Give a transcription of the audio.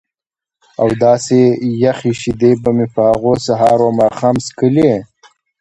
او داسې یخې شیدې به مې په هغو سهار و ماښام څښلې.